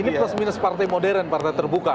ini plus minus partai modern partai terbuka